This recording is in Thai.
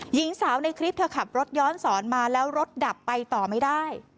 หญิงสาวในคลิปเธอขับรถย้อนสอนมาแล้วรถดับไปต่อไม่ได้